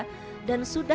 pasangkan peserta bermaj